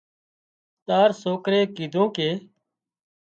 تار سوڪري ڪيڌون ڪي